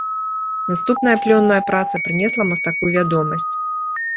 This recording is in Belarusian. Наступная плённая праца прынесла мастаку вядомасць.